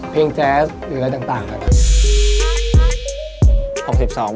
แจ๊สหรืออะไรต่างครับ